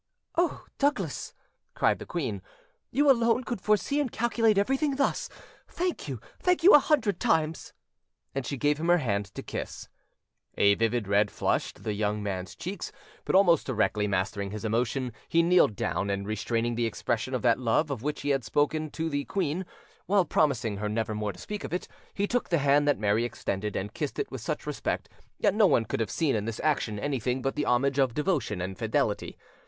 "Oh, Douglas," cried the queen, "you alone could foresee and calculate everything thus. Thank you, thank you a hundred times!" And she gave him her hand to kiss. A vivid red flushed the young man's cheeks; but almost directly mastering his emotion, he kneeled down, and, restraining the expression of that love of which he had once spoken to the queen, while promising her never more to speak of it, he took the hand that Mary extended, and kissed it with such respect that no one could have seen in this action anything but the homage of devotion and fidelity.